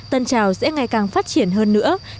tân trào sẽ ngày càng phát triển hơn nữa